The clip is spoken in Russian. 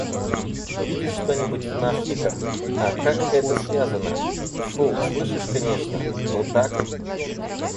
«Видишь что-нибудь в нашниках?» — «А как это связано?» — «Тьфу, слышишь конечно. Ну так?»